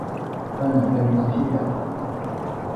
向人地猛挑誘